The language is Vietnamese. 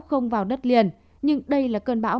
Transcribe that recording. không vào đất liền nhưng đây là cơn bão